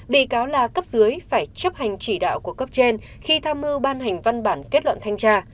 bị cáo là cấp dưới phải chấp hành chỉ đạo của cấp trên khi tham mưu ban hành văn bản kết luận thanh tra